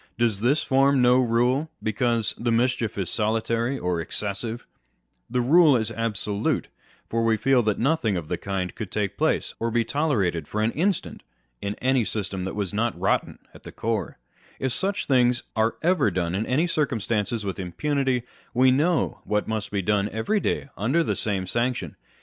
Does this form no rule, because the mischief is solitary or excessive ? The rule is absolute; for we feel that nothing of the kind could take place, or be tolerated for an instant, in any i See Memoirs of Granville Sharp, by Prince Houre, Esq. On Reason and Imagination. 63 system that was not rotten at the core. If such things are ever done in any circumstances with impunity, we know what must be done every day under the same sanction.